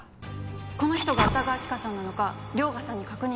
この人が歌川チカさんなのか涼牙さんに確認したんです。